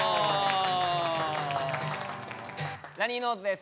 ラニーノーズです。